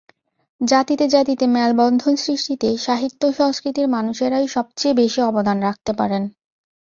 জাতিতে জাতিতে মেলবন্ধন সৃষ্টিতে সাহিত্য-সংস্কৃতির মানুষেরাই সবচেয়ে বেশি অবদান রাখতে পারেন।